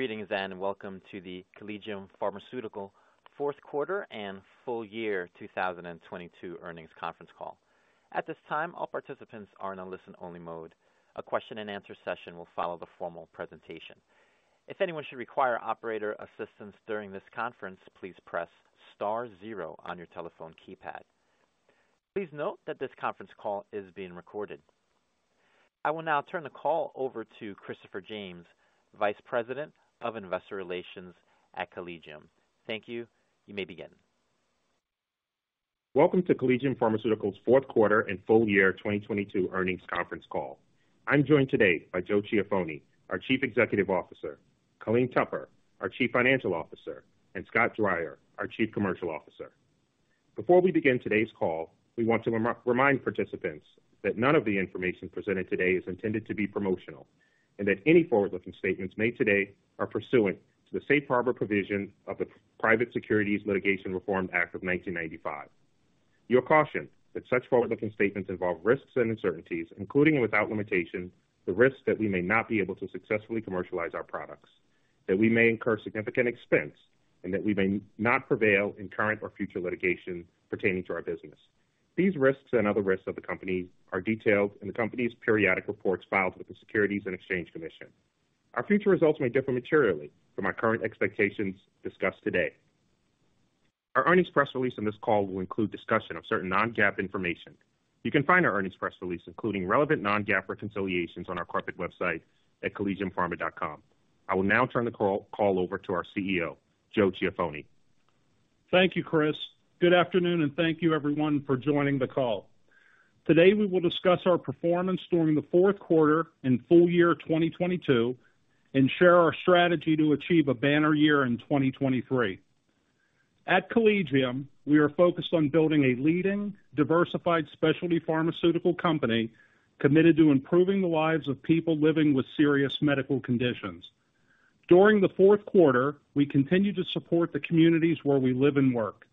Greetings and welcome to the Collegium Pharmaceutical Q4 and full year 2022 earnings conference call. At this time, all participants are in a listen-only mode. A question and answer session will follow the formal presentation. If anyone should require operator assistance during this conference, please press star zero on your telephone keypad. Please note that this conference call is being recorded. I will now turn the call over to Christopher James, Vice President of Investor Relations at Collegium. Thank you. You may begin. Welcome to Collegium Pharmaceutical's Q4 and full year 2022 earnings conference call. I'm joined today by Joe Ciaffoni, our Chief Executive Officer, Colleen Tupper, our Chief Financial Officer, and Scott Dreyer, our Chief Commercial Officer. Before we begin today's call, we want to remind participants that none of the information presented today is intended to be promotional, and that any forward-looking statements made today are pursuant to the Safe Harbor provision of the Private Securities Litigation Reform Act of 1995. You are cautioned that such forward-looking statements involve risks and uncertainties, including, without limitation, the risk that we may not be able to successfully commercialize our products, that we may incur significant expense, and that we may not prevail in current or future litigation pertaining to our business. These risks and other risks of the company are detailed in the company's periodic reports filed with the Securities and Exchange Commission. Our future results may differ materially from our current expectations discussed today. Our earnings press release on this call will include discussion of certain non-GAAP information. You can find our earnings press release, including relevant non-GAAP reconciliations, on our corporate website at collegiumpharma.com. I will now turn the call over to our CEO, Joe Ciaffoni. Thank you, Chris. Good afternoon, and thank you everyone for joining the call. Today, we will discuss our performance during the Q4 and full year 2022 and share our strategy to achieve a banner year in 2023. At Collegium, we are focused on building a leading, diversified specialty pharmaceutical company committed to improving the lives of people living with serious medical conditions. During the Q4, we continued to support the communities where we live and work.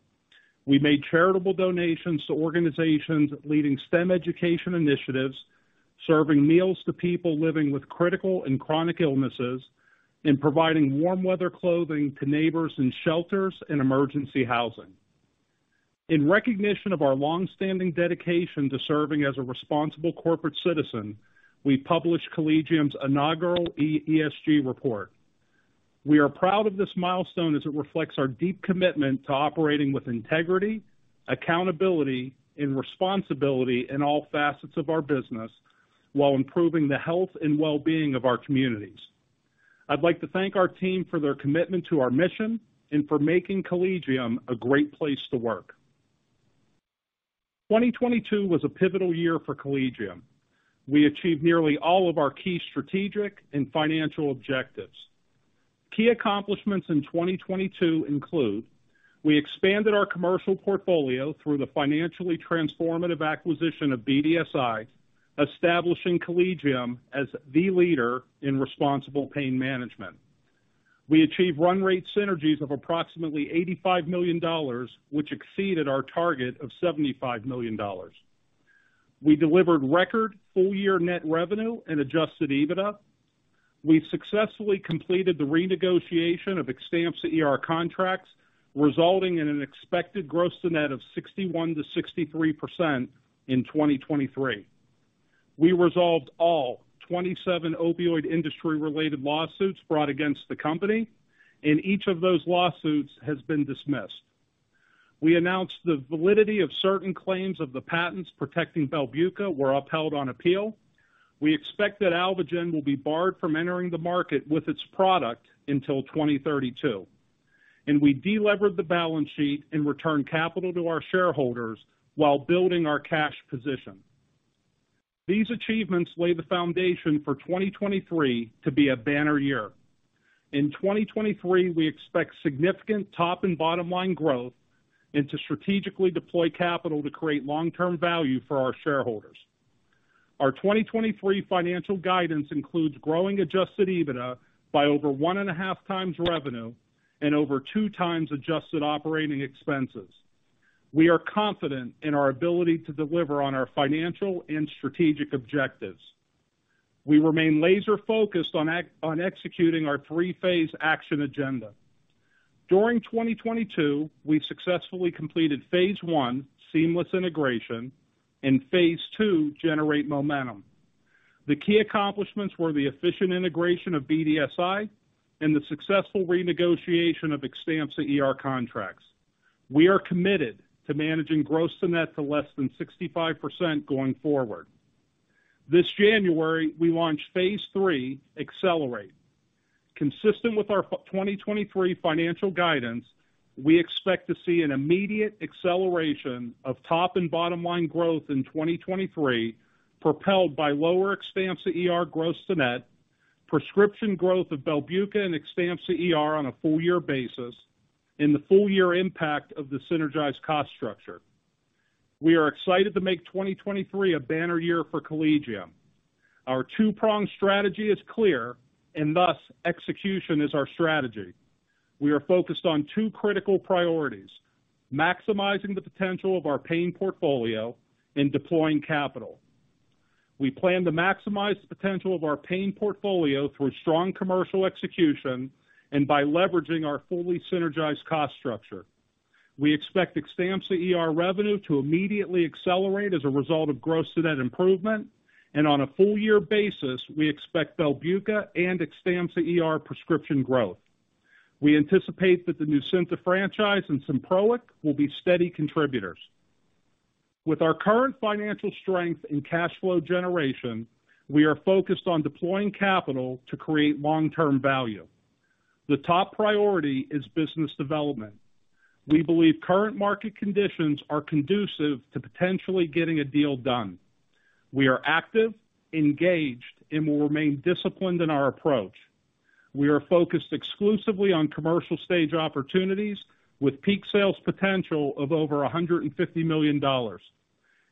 We made charitable donations to organizations leading STEM education initiatives, serving meals to people living with critical and chronic illnesses, and providing warm weather clothing to neighbors in shelters and emergency housing. In recognition of our longstanding dedication to serving as a responsible corporate citizen, we published Collegium's inaugural ESG report. We are proud of this milestone as it reflects our deep commitment to operating with integrity, accountability, and responsibility in all facets of our business while improving the health and well-being of our communities. I'd like to thank our team for their commitment to our mission and for making Collegium a great place to work. 2022 was a pivotal year for Collegium. We achieved nearly all of our key strategic and financial objectives. Key accomplishments in 2022 include we expanded our commercial portfolio through the financially transformative acquisition of BDSI, establishing Collegium as the leader in responsible pain management. We achieved run rate synergies of approximately $85 million, which exceeded our target of $75 million. We delivered record full-year net revenue and adjusted EBITDA. We successfully completed the renegotiation of Xtampza ER contracts, resulting in an expected gross-to-net of 61%-63% in 2023. We resolved all 27 opioid industry-related lawsuits brought against the company. Each of those lawsuits has been dismissed. We announced the validity of certain claims of the patents protecting BELBUCA were upheld on appeal. We expect that Alvogen will be barred from entering the market with its product until 2032. We delevered the balance sheet and returned capital to our shareholders while building our cash position. These achievements lay the foundation for 2023 to be a banner year. In 2023, we expect significant top and bottom line growth and to strategically deploy capital to create long-term value for our shareholders. Our 2023 financial guidance includes growing adjusted EBITDA by over 1.5x revenue and over 2x adjusted operating expenses. We are confident in our ability to deliver on our financial and strategic objectives. We remain laser-focused on executing our three-phase action agenda. During 2022, we've successfully completed phase one, seamless integration, and phase two, generate momentum. The key accomplishments were the efficient integration of BDSI and the successful renegotiation of Xtampza ER contracts. We are committed to managing gross-to-net to less than 65% going forward. This January, we launched phase three, accelerate. Consistent with our 2023 financial guidance, we expect to see an immediate acceleration of top and bottom line growth in 2023, propelled by lower Xtampza ER gross-to-net, prescription growth of BELBUCA and Xtampza ER on a full year basis, and the full year impact of the synergized cost structure. We are excited to make 2023 a banner year for Collegium. Our two-pronged strategy is clear and, thus, execution is our strategy. We are focused on two critical priorities: maximizing the potential of our pain portfolio and deploying capital. We plan to maximize the potential of our pain portfolio through strong commercial execution and by leveraging our fully synergized cost structure. We expect Xtampza ER revenue to immediately accelerate as a result of gross-to-net improvement. On a full year basis, we expect BELBUCA and Xtampza ER prescription growth. We anticipate that the NUCYNTA franchise and Symproic will be steady contributors. With our current financial strength and cash flow generation, we are focused on deploying capital to create long-term value. The top priority is business development. We believe current market conditions are conducive to potentially getting a deal done. We are active, engaged, and will remain disciplined in our approach. We are focused exclusively on commercial stage opportunities with peak sales potential of over $150 million.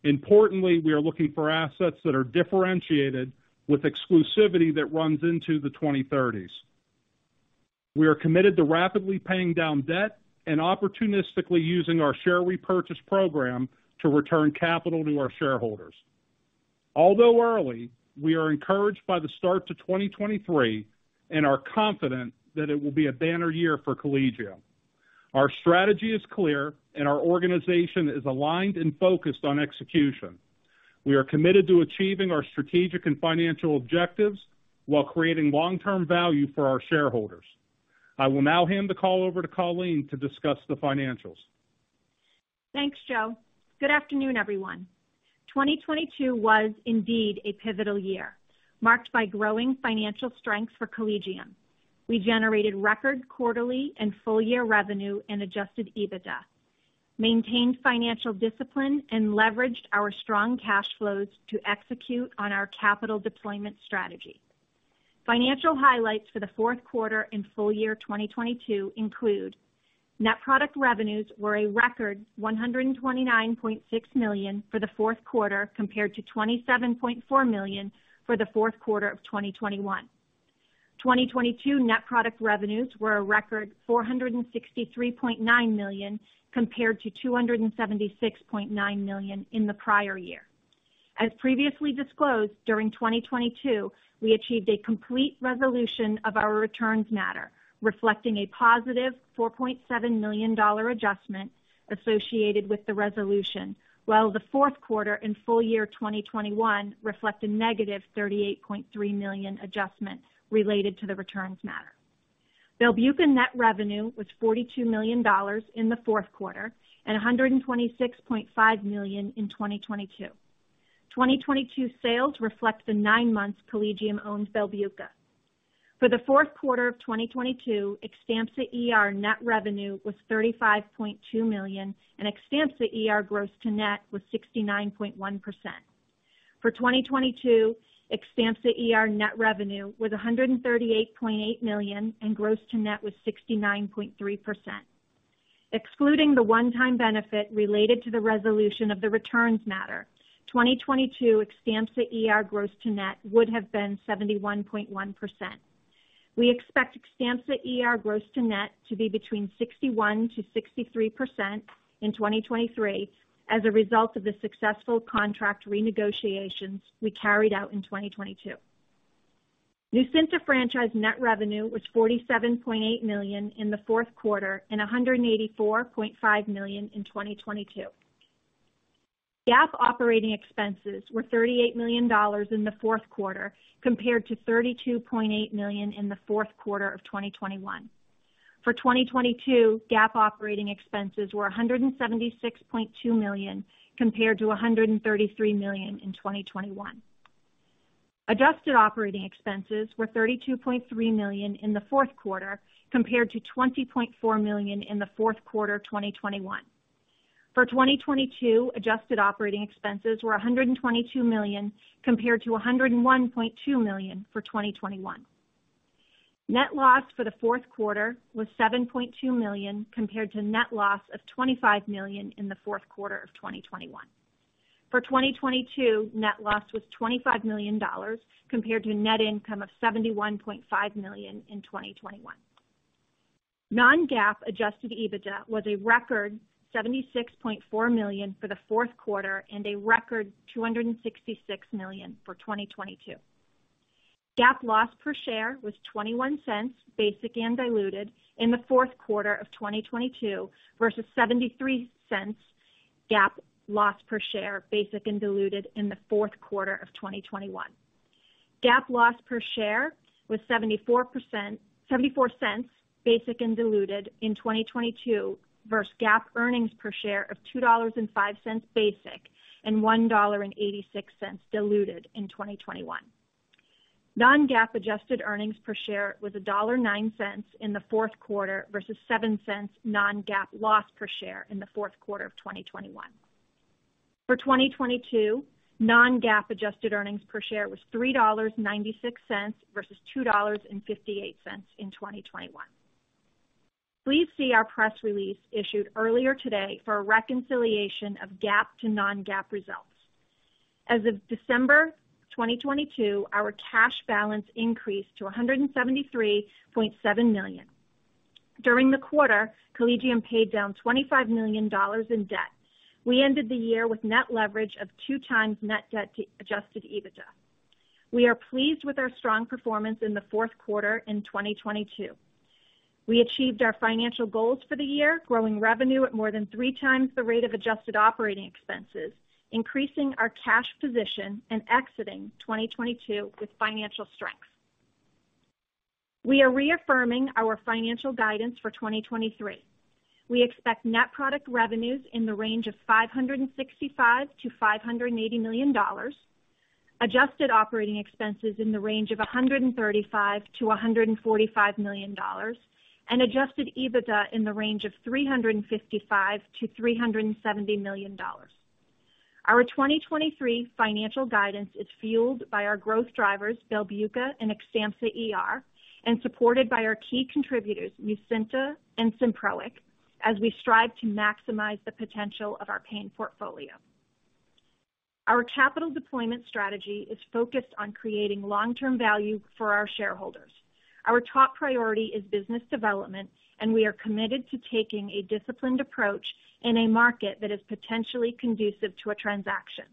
Importantly, we are looking for assets that are differentiated with exclusivity that runs into the 2030s. We are committed to rapidly paying down debt and opportunistically using our share repurchase program to return capital to our shareholders. Although early, we are encouraged by the start to 2023 and are confident that it will be a banner year for Collegium. Our strategy is clear and our organization is aligned and focused on execution. We are committed to achieving our strategic and financial objectives while creating long-term value for our shareholders. I will now hand the call over to Colleen to discuss the financials. Thanks, Joe. Good afternoon, everyone. 2022 was indeed a pivotal year, marked by growing financial strength for Collegium. We generated record quarterly and full-year revenue and adjusted EBITDA, maintained financial discipline, and leveraged our strong cash flows to execute on our capital deployment strategy. Financial highlights for the Q4 and full year 2022 include net product revenues were a record $129.6 million for the Q4, compared to $27.4 million for the Q4 of 2021. 2022 net product revenues were a record $463.9 million, compared to $276.9 million in the prior year. As previously disclosed, during 2022, we achieved a complete resolution of our returns matter, reflecting a positive $4.7 million adjustment associated with the resolution. While the Q4 and full year 2021 reflect a negative $38.3 million adjustment related to the returns matter. BELBUCA net revenue was $42 million in the Q4 and $126.5 million in 2022. 2022 sales reflect the nine months Collegium Pharmaceutical owned BELBUCA. For the Q4 of 2022, Xtampza ER net revenue was $35.2 million, and Xtampza ER gross-to-net was 69.1%. For 2022, Xtampza ER net revenue was $138.8 million, and gross-to-net was 69.3%. Excluding the one-time benefit related to the resolution of the returns matter, 2022 Xtampza ER gross-to-net would have been 71.1%. We expect Xtampza ER gross-to-net to be between 61%-63% in 2023 as a result of the successful contract renegotiations we carried out in 2022. Nucynta franchise net revenue was $47.8 million in the Q4 and $184.5 million in 2022. GAAP operating expenses were $38 million in the Q4, compared to $32.8 million in the Q4 of 2021. for 2022, GAAP operating expenses were $176.2 million, compared to $133 million in 2021. adjusted operating expenses were $32.3 million in the Q4, compared to $20.4 million in the Q4 of 2021. For 2022, adjusted operating expenses were $122 million, compared to $101.2 million for 2021. Net loss for the Q4 was $7.2 million, compared to net loss of $25 million in the Q4 of 2021. For 2022, net loss was $25 million, compared to net income of $71.5 million in 2021. Non-GAAP adjusted EBITDA was a record $76.4 million for the Q4 and a record $266 million for 2022. GAAP loss per share was $0.21 basic and diluted in the Q4 of 2022 versus $0.73 GAAP loss per share basic and diluted in the Q4 of 2021. GAAP loss per share was $0.74 basic and diluted in 2022 versus GAAP earnings per share of $2.05 basic, and $1.86 diluted in 2021. Non-GAAP adjusted earnings per share was $1.09 in the Q4 versus $0.07 non-GAAP loss per share in the Q4 of 2021. For 2022, non-GAAP adjusted earnings per share was $3.96 versus $2.58 in 2021. Please see our press release issued earlier today for a reconciliation of GAAP to non-GAAP results. As of December 2022, our cash balance increased to $173.7 million. During the quarter, Collegium paid down $25 million in debt. We ended the year with net leverage of two times net debt to adjusted EBITDA. We are pleased with our strong performance in the Q4 in 2022. We achieved our financial goals for the year, growing revenue at more than three times the rate of adjusted operating expenses, increasing our cash position and exiting 2022 with financial strength. We are reaffirming our financial guidance for 2023. We expect net product revenues in the range of $565 million-$580 million. Adjusted operating expenses in the range of $135 million-$145 million. Adjusted EBITDA in the range of $355 million-$370 million. Our 2023 financial guidance is fueled by our growth drivers, BELBUCA and Xtampza ER, and supported by our key contributors, NUCYNTA and Symproic, as we strive to maximize the potential of our pain portfolio. Our capital deployment strategy is focused on creating long-term value for our shareholders. Our top priority is business development. We are committed to taking a disciplined approach in a market that is potentially conducive to a transaction.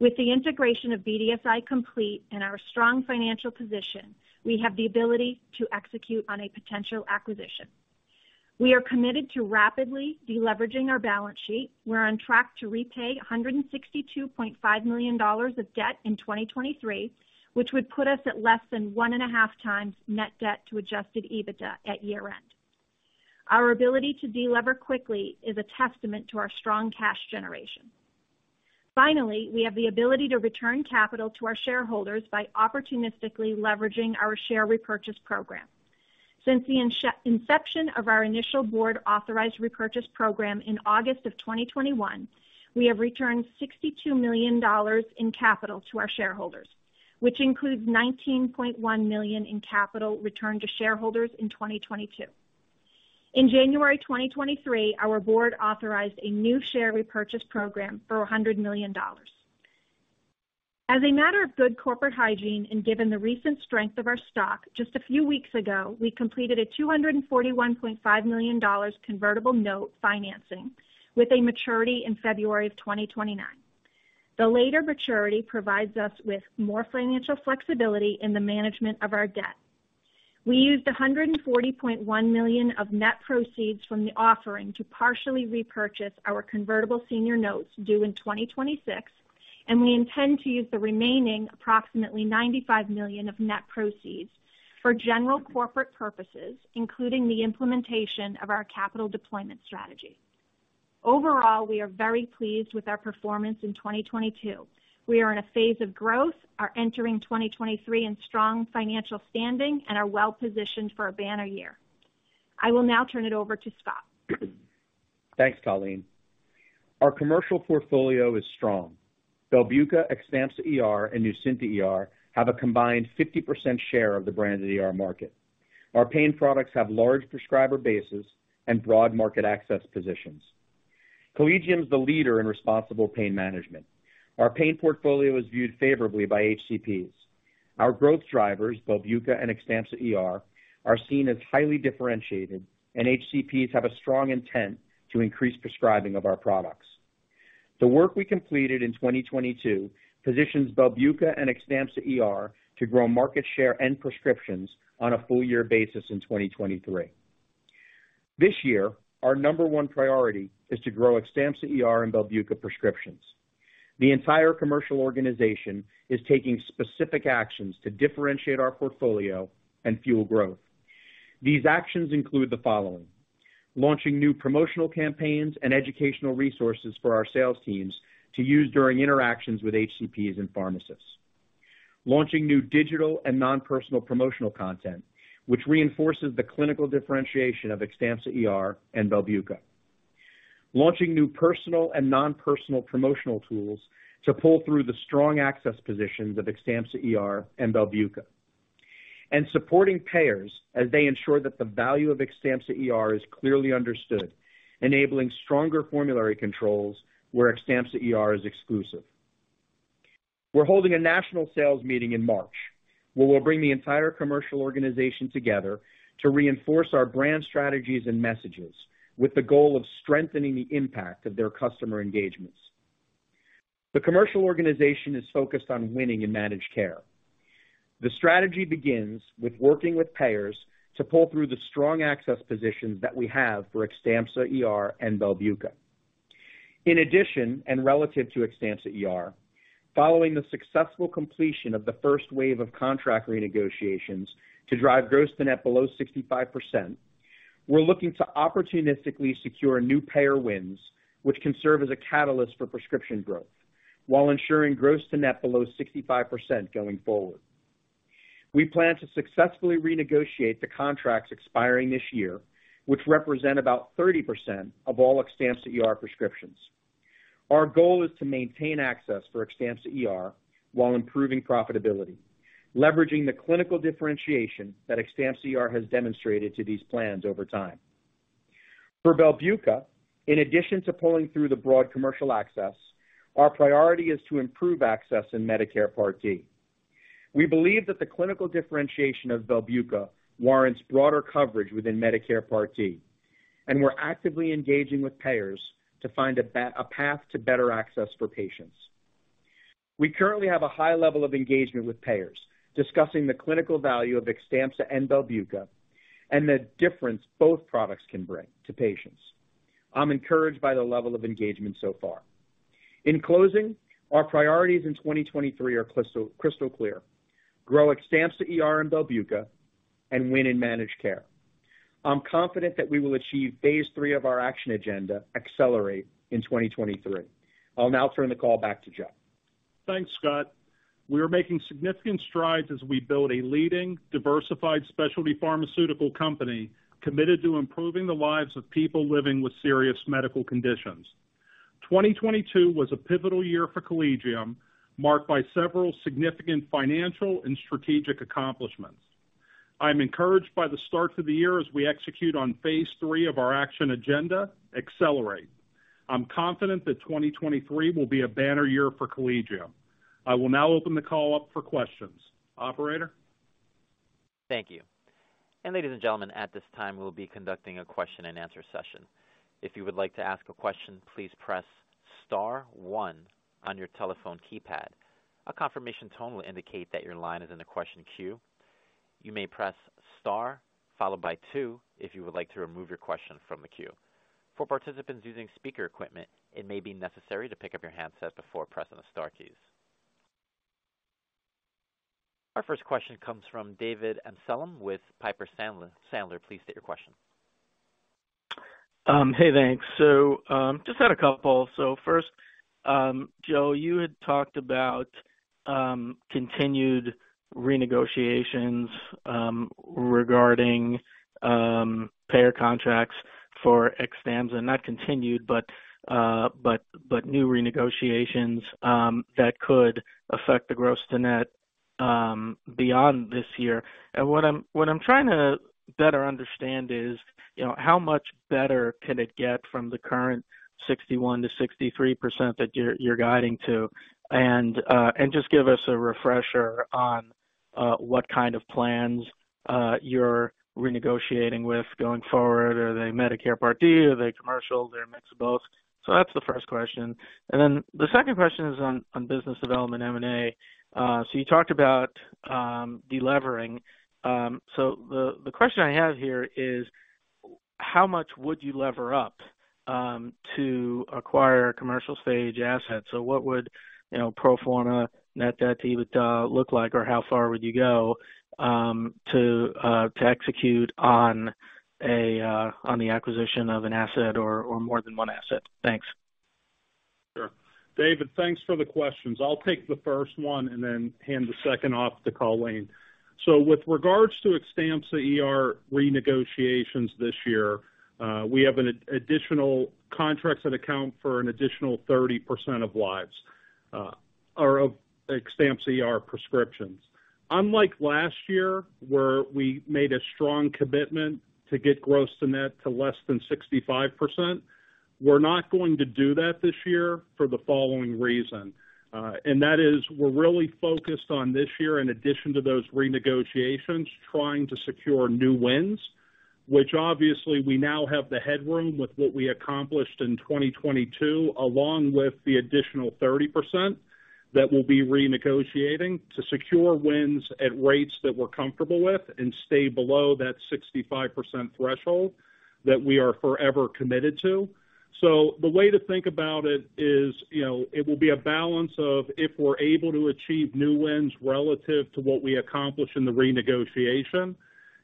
With the integration of BDSI complete and our strong financial position, we have the ability to execute on a potential acquisition. We are committed to rapidly de-leveraging our balance sheet. We're on track to repay $162.5 million of debt in 2023, which would put us at less than 1.5 times net debt to adjusted EBITDA at year-end. Our ability to de-lever quickly is a testament to our strong cash generation. Finally, we have the ability to return capital to our shareholders by opportunistically leveraging our share repurchase program. Since the inception of our initial board-authorized repurchase program in August 2021, we have returned $62 million in capital to our shareholders, which includes $19.1 million in capital returned to shareholders in 2022. In January 2023, our board authorized a new share repurchase program for $100 million. As a matter of good corporate hygiene, and given the recent strength of our stock, just a few weeks ago, we completed a $241.5 million convertible note financing with a maturity in February 2029. The later maturity provides us with more financial flexibility in the management of our debt. We used $140.1 million of net proceeds from the offering to partially repurchase our convertible senior notes due in 2026. We intend to use the remaining approximately $95 million of net proceeds for general corporate purposes, including the implementation of our capital deployment strategy. Overall, we are very pleased with our performance in 2022. We are in a phase of growth, are entering 2023 in strong financial standing, and are well-positioned for a banner year. I will now turn it over to Scott. Thanks, Colleen. Our commercial portfolio is strong. BELBUCA, Xtampza ER, and NUCYNTA ER have a combined 50% share of the branded ER market. Our pain products have large prescriber bases and broad market access positions. Collegium is the leader in responsible pain management. Our pain portfolio is viewed favorably by HCPs. Our growth drivers, BELBUCA and Xtampza ER, are seen as highly differentiated, and HCPs have a strong intent to increase prescribing of our products. The work we completed in 2022 positions BELBUCA and Xtampza ER to grow market share and prescriptions on a full year basis in 2023. This year, our number one priority is to grow Xtampza ER and BELBUCA prescriptions. The entire commercial organization is taking specific actions to differentiate our portfolio and fuel growth. These actions include the following. Launching new promotional campaigns and educational resources for our sales teams to use during interactions with HCPs and pharmacists. Launching new digital and non-personal promotional content, which reinforces the clinical differentiation of Xtampza ER and BELBUCA. Launching new personal and non-personal promotional tools to pull through the strong access positions of Xtampza ER and BELBUCA. Supporting payers as they ensure that the value of Xtampza ER is clearly understood, enabling stronger formulary controls where Xtampza ER is exclusive. We're holding a national sales meeting in March, where we'll bring the entire commercial organization together to reinforce our brand strategies and messages with the goal of strengthening the impact of their customer engagements. The commercial organization is focused on winning in managed care. The strategy begins with working with payers to pull through the strong access positions that we have for Xtampza ER and BELBUCA. In addition, relative to Xtampza ER, following the successful completion of the first wave of contract renegotiations to drive gross to net below 65%, we're looking to opportunistically secure new payer wins, which can serve as a catalyst for prescription growth while ensuring gross to net below 65% going forward. We plan to successfully renegotiate the contracts expiring this year, which represent about 30% of all Xtampza ER prescriptions. Our goal is to maintain access for Xtampza ER while improving profitability, leveraging the clinical differentiation that Xtampza ER has demonstrated to these plans over time. For BELBUCA, in addition to pulling through the broad commercial access, our priority is to improve access in Medicare Part D. We believe that the clinical differentiation of BELBUCA warrants broader coverage within Medicare Part D, and we're actively engaging with payers to find a path to better access for patients. We currently have a high level of engagement with payers discussing the clinical value of Xtampza and BELBUCA and the difference both products can bring to patients. I'm encouraged by the level of engagement so far. In closing, our priorities in 2023 are crystal clear. Grow Xtampza ER and BELBUCA and win in managed care. I'm confident that we will achieve phase three of our action agenda, accelerate, in 2023. I'll now turn the call back to Joe. Thanks, Scott. We are making significant strides as we build a leading diversified specialty pharmaceutical company committed to improving the lives of people living with serious medical conditions. 2022 was a pivotal year for Collegium, marked by several significant financial and strategic accomplishments. I'm encouraged by the start to the year as we execute on phase III of our action agenda, accelerate. I'm confident that 2023 will be a banner year for Collegium. I will now open the call up for questions. Operator? Thank you. Ladies and gentlemen, at this time, we'll be conducting a question-and-answer session. If you would like to ask a question, please press star one on your telephone keypad. A confirmation tone will indicate that your line is in the question queue. You may press star followed by two if you would like to remove your question from the queue. For participants using speaker equipment, it may be necessary to pick up your handset before pressing the star keys. Our first question comes from David Amsellem with Piper Sandler. Please state your question. Hey, thanks. Just had a couple. First, Joe, you had talked about continued renegotiations regarding payer contracts for Xtampza, not continued, but new renegotiations that could affect the gross-to-net beyond this year. What I'm trying to better understand is, you know, how much better can it get from the current 61%-63% that you're guiding to? Just give us a refresher on what kind of plans you're renegotiating with going forward. Are they Medicare Part D? Are they commercial? Are they a mix of both? That's the first question. The second question is on business development M&A. You talked about delevering. The, the question I have here is, how much would you lever up to acquire commercial stage assets? What would, you know, pro forma net debt to adjusted EBITDA look like? How far would you go to execute on the acquisition of an asset or more than one asset? Thanks. Sure. David, thanks for the questions. I'll take the first one and then hand the second off to Colleen. With regards to Xtampza ER renegotiations this year, we have an additional contracts that account for an additional 30% of lives, or of Xtampza ER prescriptions. Unlike last year, where we made a strong commitment to get gross-to-net to less than 65%, we're not going to do that this year for the following reason. That is we're really focused on this year, in addition to those renegotiations, trying to secure new wins, which obviously we now have the headroom with what we accomplished in 2022, along with the additional 30% that we'll be renegotiating to secure wins at rates that we're comfortable with and stay below that 65% threshold that we are forever committed to. The way to think about it is, you know, it will be a balance of if we're able to achieve new wins relative to what we accomplish in the renegotiation.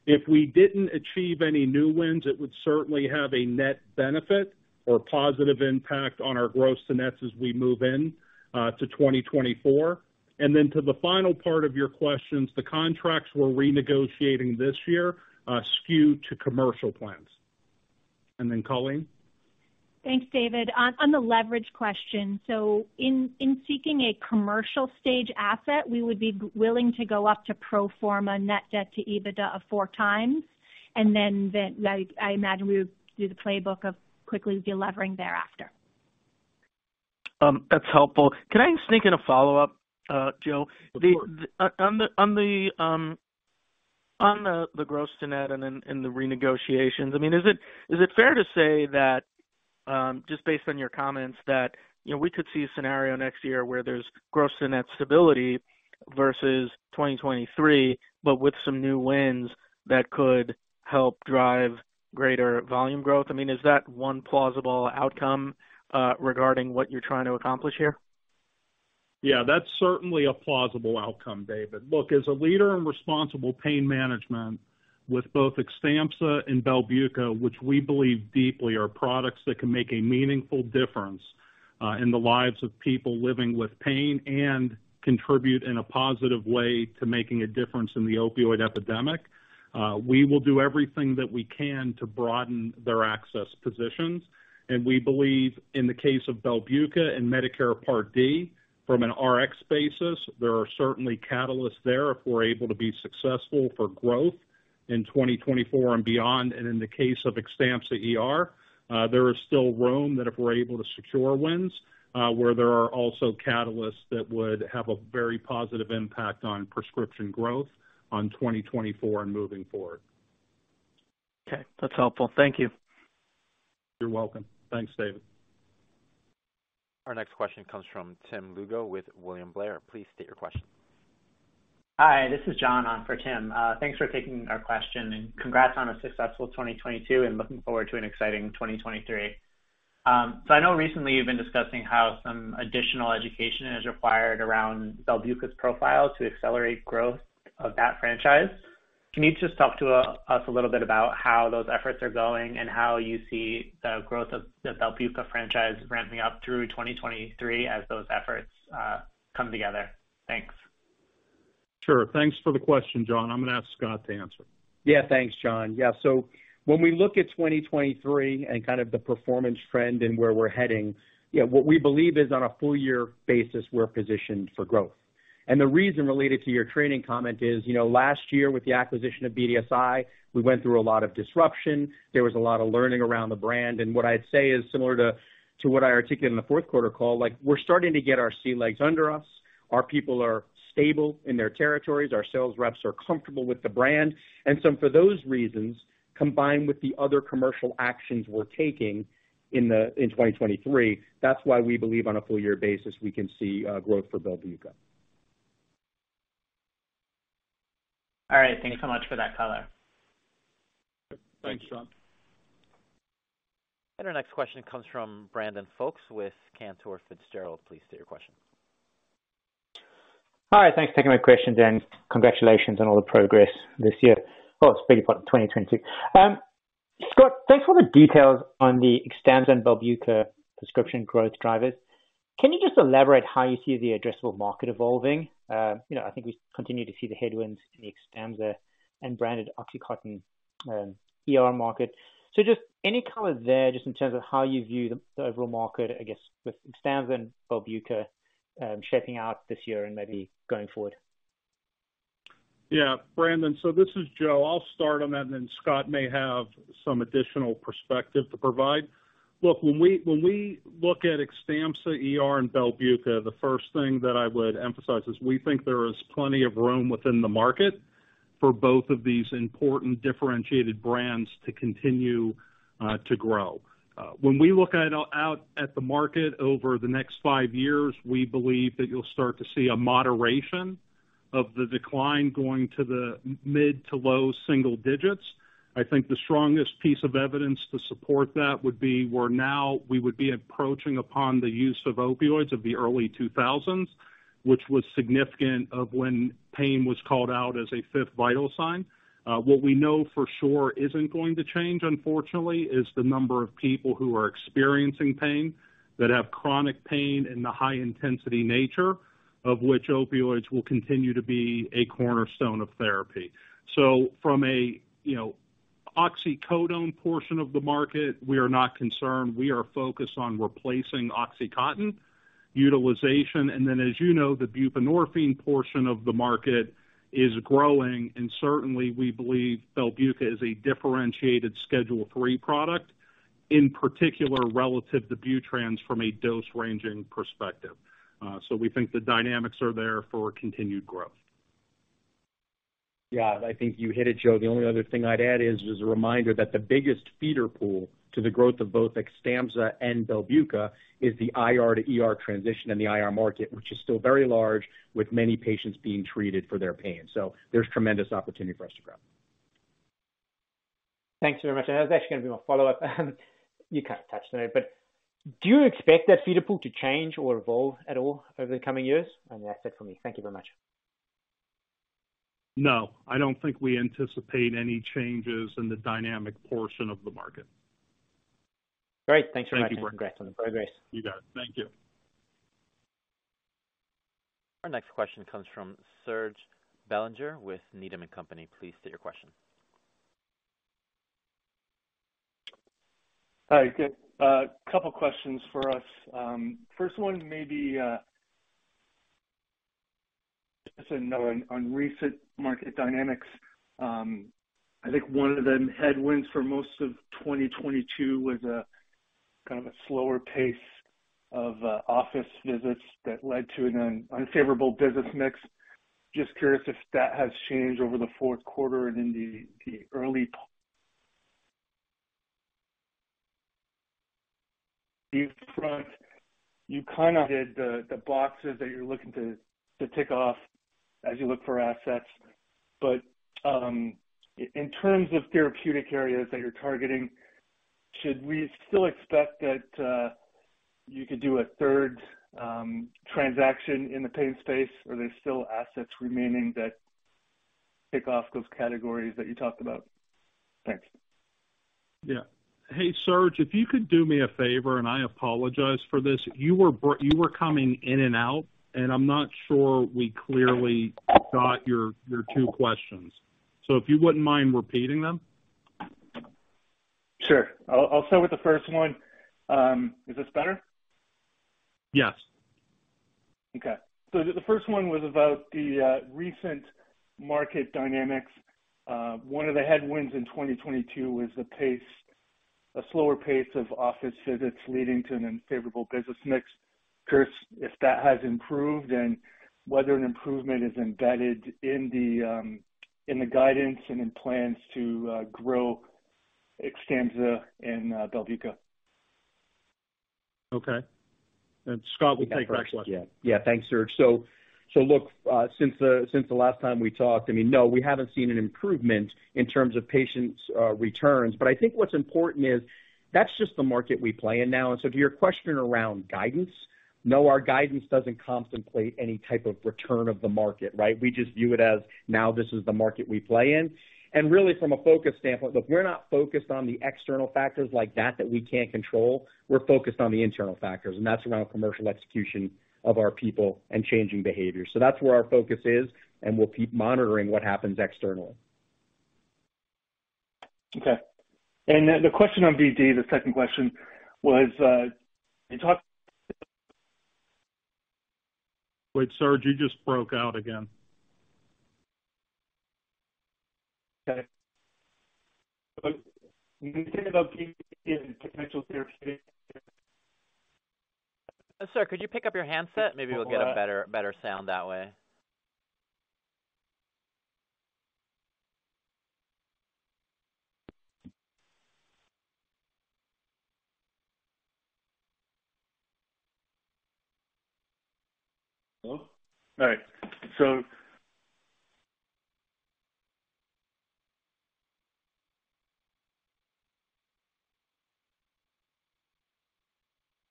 If we didn't achieve any new wins, it would certainly have a net benefit or positive impact on our gross-to-nets as we move in to 2024. To the final part of your questions, the contracts we're renegotiating this year, skew to commercial plans. Colleen. Thanks, David. On the leverage question. In seeking a commercial stage asset, we would be willing to go up to pro forma net debt to EBITDA of four times. I imagine we would do the playbook of quickly delevering thereafter. That's helpful. Can I sneak in a follow-up, Joe? Of course. On the gross to net and then, and the renegotiations. I mean, is it fair to say that, just based on your comments that, you know, we could see a scenario next year where there's gross to net stability versus 2023, but with some new wins that could help drive greater volume growth? I mean, is that one plausible outcome regarding what you're trying to accomplish here? Yeah, that's certainly a plausible outcome, David. Look, as a leader in responsible pain management with both Xtampza and BELBUCA, which we believe deeply are products that can make a meaningful difference in the lives of people living with pain and contribute in a positive way to making a difference in the opioid epidemic, we will do everything that we can to broaden their access positions. We believe in the case of BELBUCA and Medicare Part D from an Rx basis, there are certainly catalysts there if we're able to be successful for growth. In 2024 and beyond, and in the case of Xtampza ER, there is still room that if we're able to secure wins, where there are also catalysts that would have a very positive impact on prescription growth on 2024 and moving forward. Okay. That's helpful. Thank you. You're welcome. Thanks, David. Our next question comes from Tim Lugo with William Blair. Please state your question. Hi, this is John on for Tim. Thanks for taking our question, and congrats on a successful 2022 and looking forward to an exciting 2023. I know recently you've been discussing how some additional education is required around BELBUCA's profile to accelerate growth of that franchise. Can you just talk to us a little bit about how those efforts are going and how you see the growth of the BELBUCA franchise ramping up through 2023 as those efforts come together? Thanks. Sure. Thanks for the question, John. I'm gonna ask Scott to answer. Thanks, John. So when we look at 2023 and kind of the performance trend and where we're heading, what we believe is on a full year basis, we're positioned for growth. The reason related to your training comment is, you know, last year with the acquisition of BDSI, we went through a lot of disruption. There was a lot of learning around the brand. What I'd say is similar to what I articulated in the Q4 call, like, we're starting to get our sea legs under us. Our people are stable in their territories. Our sales reps are comfortable with the brand. For those reasons, combined with the other commercial actions we're taking in 2023, that's why we believe on a full year basis, we can see growth for BELBUCA. All right. Thanks so much for that color. Thanks, John. Our next question comes from Brandon Folkes with Cantor Fitzgerald. Please state your question. Hi, thanks for taking my questions, and congratulations on all the progress this year. Beg your pardon, 2022. Scott, thanks for the details on the Xtampza and BELBUCA prescription growth drivers. Can you just elaborate how you see the addressable market evolving? you know, I think we continue to see the headwinds in the Xtampza and branded OxyContin ER market. just any color there, just in terms of how you view the overall market, I guess, with Xtampza and BELBUCA shaping out this year and maybe going forward. Brandon, this is Joe. I'll start on that. Then Scott may have some additional perspective to provide. Look, when we look at Xtampza ER and BELBUCA, the first thing that I would emphasize is we think there is plenty of room within the market for both of these important differentiated brands to continue to grow. When we look out at the market over the next five years, we believe that you'll start to see a moderation of the decline going to the mid to low single digits. I think the strongest piece of evidence to support that would be where now we would be approaching upon the use of opioids of the early 2000s, which was significant of when pain was called out as a fifth vital sign. What we know for sure isn't going to change, unfortunately, is the number of people who are experiencing pain, that have chronic pain and the high intensity nature of which opioids will continue to be a cornerstone of therapy. From a, you know, oxycodone portion of the market, we are not concerned. We are focused on replacing OxyContin utilization. As you know, the buprenorphine portion of the market is growing, and certainly we believe BELBUCA is a differentiated Schedule III product, in particular relative to BUTRANS from a dose-ranging perspective. We think the dynamics are there for continued growth. I think you hit it, Joe. The only other thing I'd add is a reminder that the biggest feeder pool to the growth of both Xtampza and BELBUCA is the IR to ER transition in the IR market, which is still very large with many patients being treated for their pain. There's tremendous opportunity for us to grow. Thanks very much. That was actually gonna be my follow-up. You kind of touched on it, but do you expect that feeder pool to change or evolve at all over the coming years? That's it for me. Thank you very much. No, I don't think we anticipate any changes in the dynamic portion of the market. Great. Thanks very much. Thank you, Brandon. Congrats on the progress. You got it. Thank you. Our next question comes from Serge Belanger with Needham & Company. Please state your question. Hi, good. A couple questions for us. First one maybe, just on recent market dynamics. I think one of the headwinds for most of 2022 was kind of a slower pace of office visits that led to an unfavorable business mix. Just curious if that has changed over the Q4 and in the early view front. You kinda hit the boxes that you're looking to tick off as you look for assets. In terms of therapeutic areas that you're targeting, should we still expect that you could do a third transaction in the pain space? Are there still assets remaining that tick off those categories that you talked about? Thanks. Yeah. Hey, Serge, if you could do me a favor, and I apologize for this, you were coming in and out, and I'm not sure we clearly got your two questions. If you wouldn't mind repeating them? Sure. I'll start with the first one. Is this better? Yes. The first one was about the recent market dynamics. One of the headwinds in 2022 was a slower pace of office visits leading to an unfavorable business mix. Curious if that has improved and whether an improvement is embedded in the guidance and in plans to grow Xtampza and BELBUCA. Okay. Scott will take that question. Yeah. Thanks, Serge. Look, since the last time we talked, I mean, no, we haven't seen an improvement in terms of patients' returns. I think what's important is that's just the market we play in now. To your question around guidance, no, our guidance doesn't contemplate any type of return of the market, right? We just view it as now this is the market we play in. Really from a focus standpoint, look, we're not focused on the external factors like that that we can't control. We're focused on the internal factors, and that's around commercial execution of our people and changing behaviors. That's where our focus is, and we'll keep monitoring what happens externally. Okay. Then the question on BD, the second question was. Wait, Serge, you just broke out again. Okay. [You can think about potential therapeutics]. Sir, could you pick up your handset? Maybe we'll get a better sound that way. Hello? All right.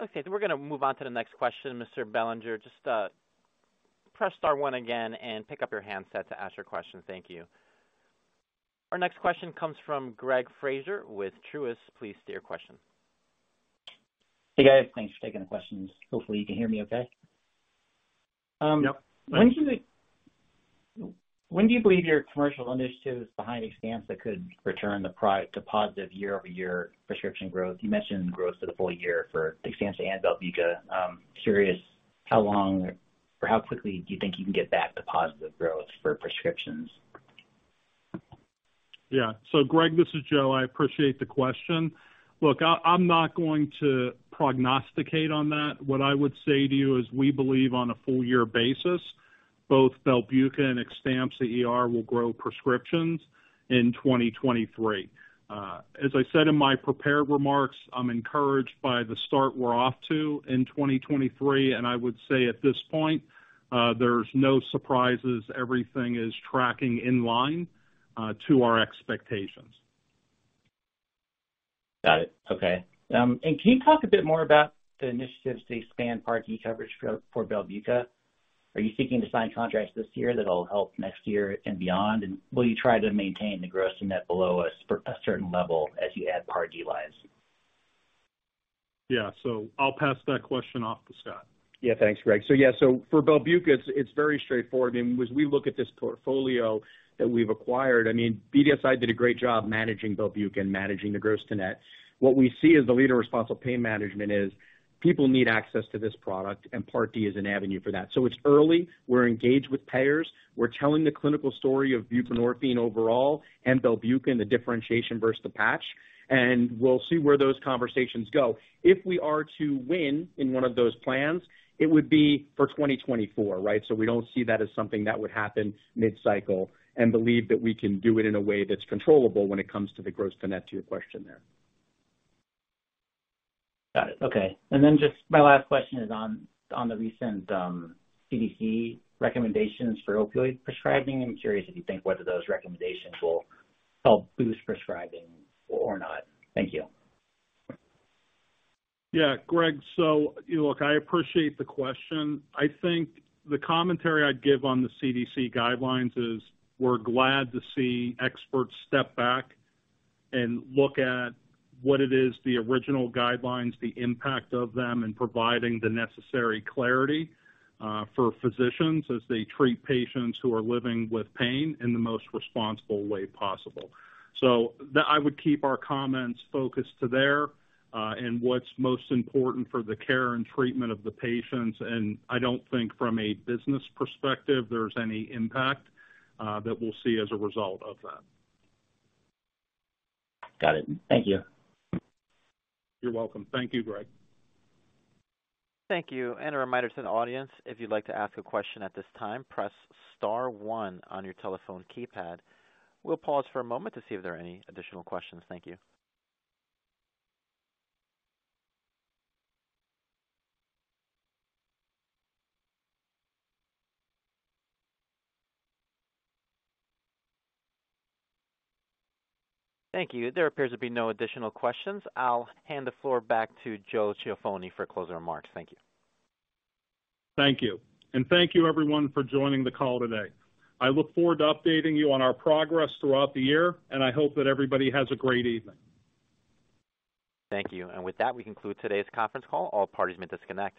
Okay. We're gonna move on to the next question. Mr. Belanger, just press star one again and pick up your handset to ask your question. Thank you. Our next question comes from Greg Fraser with Truist. Please state your question. Hey, guys. Thanks for taking the questions. Hopefully, you can hear me okay. Yep. When do you believe your commercial initiatives behind Xtampza could return the positive year-over-year prescription growth? You mentioned growth for the full year for Xtampza and BELBUCA. Curious how long or how quickly do you think you can get back to positive growth for prescriptions? Greg, this is Joe. I appreciate the question. Look, I'm not going to prognosticate on that. What I would say to you is we believe on a full year basis, both BELBUCA and Xtampza ER will grow prescriptions in 2023. As I said in my prepared remarks, I'm encouraged by the start we're off to in 2023, and I would say at this point, there's no surprises. Everything is tracking in line to our expectations. Got it. Okay. Can you talk a bit more about the initiatives to expand Part D coverage for BELBUCA? Are you seeking to sign contracts this year that'll help next year and beyond? Will you try to maintain the gross-to-net below a certain level as you add Part D lines? Yeah. I'll pass that question off to Scott. Thanks, Greg. For BELBUCA, it's very straightforward. I mean, as we look at this portfolio that we've acquired, I mean, BDSI did a great job managing BELBUCA and managing the gross-to-net. What we see as the leader of responsible pain management is people need access to this product, and Medicare Part D is an avenue for that. It's early. We're engaged with payers. We're telling the clinical story of buprenorphine overall and BELBUCA and the differentiation versus the patch. We'll see where those conversations go. If we are to win in one of those plans, it would be for 2024, right? We don't see that as something that would happen mid-cycle and believe that we can do it in a way that's controllable when it comes to the gross-to-net, to your question there. Got it. Okay. Then just my last question is on the recent CDC recommendations for opioid prescribing. I'm curious if you think whether those recommendations will help boost prescribing or not. Thank you. Greg, look, I appreciate the question. I think the commentary I'd give on the CDC guidelines is we're glad to see experts step back and look at what it is, the original guidelines, the impact of them, and providing the necessary clarity, for physicians as they treat patients who are living with pain in the most responsible way possible. I would keep our comments focused to there, and what's most important for the care and treatment of the patients, and I don't think from a business perspective there's any impact, that we'll see as a result of that. Got it. Thank you. You're welcome. Thank you, Greg. Thank you. A reminder to the audience, if you'd like to ask a question at this time, press star one on your telephone keypad. We'll pause for a moment to see if there are any additional questions. Thank you. Thank you. There appears to be no additional questions. I'll hand the floor back to Joe Ciaffoni for closing remarks. Thank you. Thank you. Thank you everyone for joining the call today. I look forward to updating you on our progress throughout the year, and I hope that everybody has a great evening. Thank you. With that, we conclude today's conference call. All parties may disconnect.